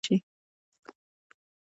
پۀ کلتم کښې ټول فني او فکري محاسن موندے شي